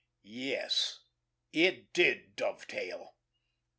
Yes, it did dovetail!